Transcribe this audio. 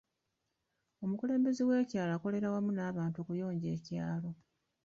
Omukulembeze w'ekyalo akolera wamu n'abantu okuyonja ekyalo.